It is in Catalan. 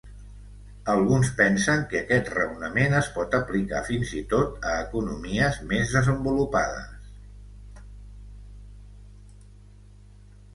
Alguns pensen que aquest raonament es pot aplicar fins i tot a economies més desenvolupades.